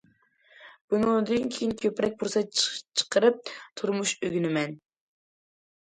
بۇنىڭدىن كېيىن كۆپرەك پۇرسەت چىقىرىپ تۇرمۇش ئۆگىنىمەن.